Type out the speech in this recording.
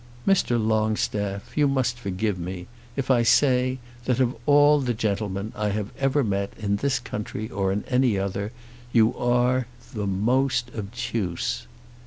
"Mr. Longstaff, you must forgive me if I say that of all the gentlemen I have ever met in this country or in any other you are the most obtuse."